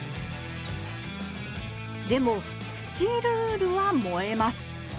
でもスチールウールは燃えます。